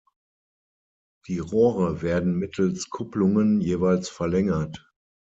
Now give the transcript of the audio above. Die Rohre werden mittels Kupplungen jeweils verlängert.